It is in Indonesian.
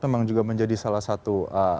memang juga menjadi salah satu